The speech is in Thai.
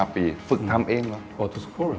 ปีฝึกทำเองเหรอ